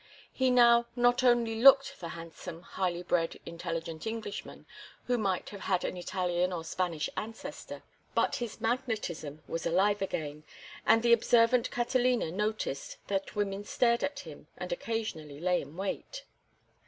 He now not only looked the handsome, highly bred, intelligent Englishman who might have had an Italian or Spanish ancestor, but his magnetism was alive again, and the observant Catalina noticed that women stared at him and occasionally lay in wait.